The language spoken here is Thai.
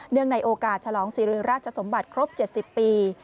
ในโอกาสฉลองศิริราชสมบัติครบ๗๐ปี